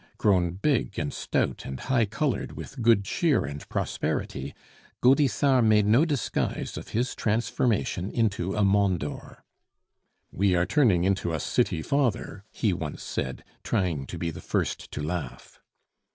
Grown big and stout and high colored with good cheer and prosperity, Gaudissart made no disguise of his transformation into a Mondor. "We are turning into a city father," he once said, trying to be the first to laugh.